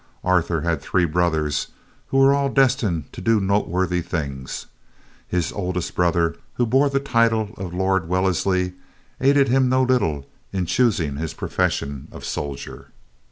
Arthur had three brothers who were all destined to do noteworthy things. His oldest brother, who bore the title of Lord Wellesley, aided him no little in choosing his profession of soldier.